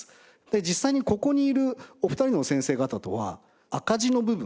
実際にここにいるお二人の先生方とは赤字の部分。